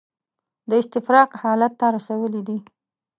د استفراق حالت ته رسولي دي.